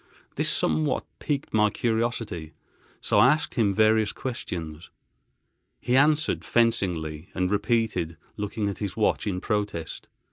This somewhat piqued my curiosity, so I asked him various questions. He answered fencingly, and repeatedly looked at his watch in protest.